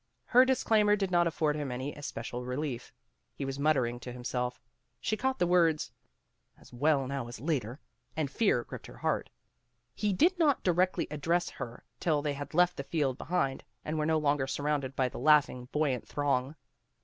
Her disclaimer did not afford him any especial relief. He was muttering to himself. She caught the words, "As well now as later,'* and fear gripped her heart. He did not directly address her till they had left the field behind, and were no longer surrounded by the laughing, buoyant throng.